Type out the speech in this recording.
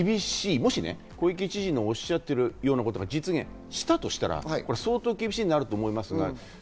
もし小池知事がおっしゃっているようなことが実現したとしたら、相当厳しくなると思います。